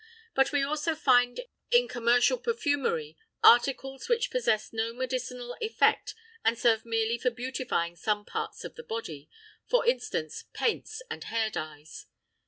But we also find in commercial perfumery articles which possess no medicinal effect and serve merely for beautifying some parts of the body, for instance, paints and hair dyes.